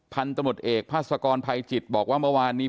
พันธมตเอกภาษกรภัยจิตบอกว่าเมื่อวานนี้